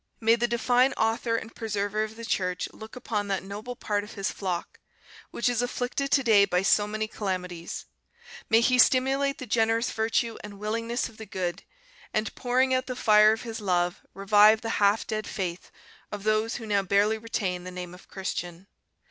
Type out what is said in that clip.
May the divine Author and preserver of the Church look upon that noble part of His flock, which is afflicted to day by so many calamities: may He stimulate the generous virtue and willingness of the good and, pouring out the fire of His love, revive the half dead faith of those who now barely retain the name of Christian.